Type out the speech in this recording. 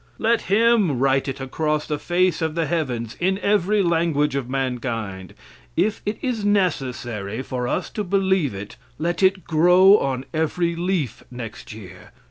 Let Him write it across the face of the heavens, in every language of mankind. If it is necessary for us to believe it, let it grow on every leaf next year.